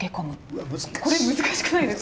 これ難しくないですか？